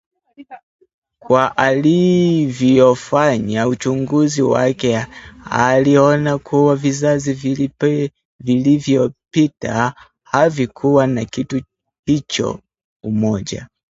Kwa alivyofanya uchunguzi wake, aliona kuwa vizazi vilivyopita havikuwa na kitu hicho, umoja